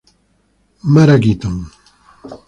Mara Keaton.